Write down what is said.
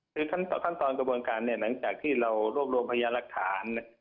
คือขั้นตอนกระบวนการเนี่ยหลังจากที่เรารวบรวมพยานหลักฐาน